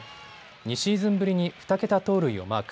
２シーズンぶりに２桁盗塁をマーク。